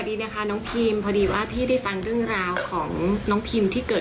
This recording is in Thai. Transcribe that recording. คุยกันและก็อยากที่จะมี